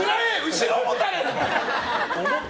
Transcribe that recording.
後ろもたれって。